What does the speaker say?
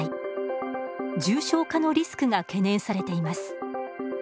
重症化のリスクが懸念されています。